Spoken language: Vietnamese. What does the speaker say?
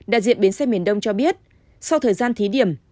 đại diện bến xe miền đông cho biết sau thời gian thí điểm